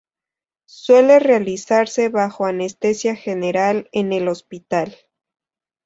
Suele realizarse bajo anestesia general en el hospital.